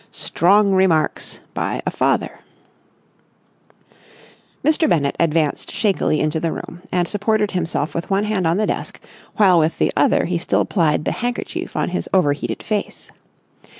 STRONG REMARKS BY A FATHER Mr. Bennett advanced shakily into the room, and supported himself with one hand on the desk, while with the other he still plied the handkerchief on his over heated face.